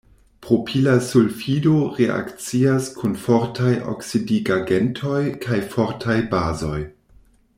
Propila sulfido reakcias kun fortaj oksidigagentoj kaj fortaj bazoj.